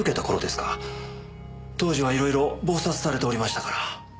当時は色々忙殺されておりましたから。